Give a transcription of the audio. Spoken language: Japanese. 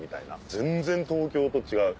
全然東京と違う。